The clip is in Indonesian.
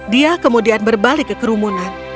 dia kemudian berbalik ke kerumunan